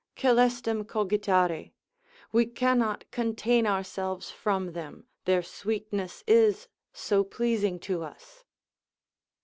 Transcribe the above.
coelestem cogitare, we cannot contain ourselves from them, their sweetness is so pleasing to us.